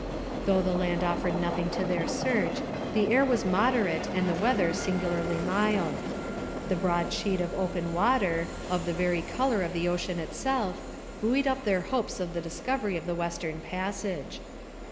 Though the land offered nothing to their search, the air was moderate and the weather singularly mild. The broad sheet of open water, of the very colour of the ocean itself, buoyed up their hopes of the discovery of the Western Passage.